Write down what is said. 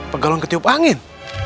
pegalon ketiup angin